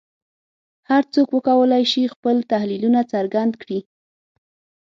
هر څوک وکولای شي خپل تحلیلونه څرګند کړي